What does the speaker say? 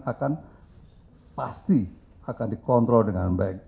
akan pasti akan dikontrol dengan baik